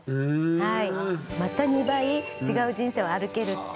はい。